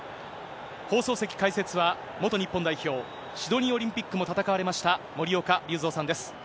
放送席解説は、元日本代表、シドニーオリンピックも戦われましたもりおかゆうぞうさんです。